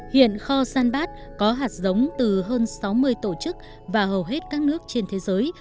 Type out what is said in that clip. hiện kho sanbat có hạt giống từ hơn sáu mươi tổ chức và hầu hết các nước trên thế giới